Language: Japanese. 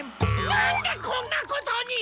なんでこんなことに！？